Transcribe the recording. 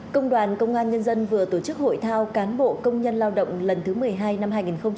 công đoàn công an nhân dân vừa tổ chức hội thao cán bộ công nhân lao động lần thứ một mươi hai năm hai nghìn hai mươi